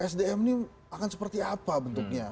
sdm ini akan seperti apa bentuknya